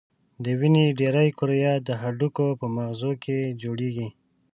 د وینې ډېری کرویات د هډوکو په مغزو کې جوړیږي.